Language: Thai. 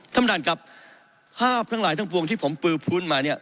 ท่านประธานครับภาพทั้งหลายทั้งปวงที่ผมปือพื้นมาเนี่ย